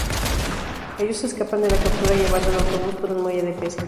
Ellos escapan de la captura llevando el autobús por un muelle de pesca.